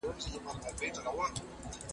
سترګې مو له اوښکو راډکیږي نه؟